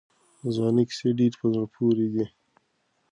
د ځوانۍ کیسې ډېرې په زړه پورې دي.